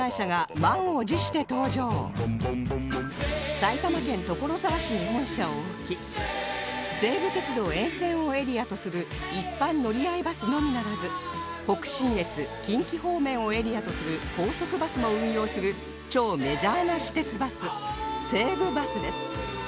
埼玉県所沢市に本社を置き西武鉄道沿線をエリアとする一般乗合バスのみならず北信越近畿方面をエリアとする高速バスも運用する超メジャーな私鉄バス西武バスです